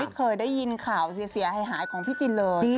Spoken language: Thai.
คิดข่าวเสียหายของพี่จินเลย